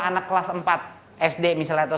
anak kelas empat sd misalnya atau